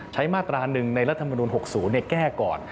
ใช้มาตรานึงในรัฐธรรมนูญ๖ศูนย์แก้ก่อน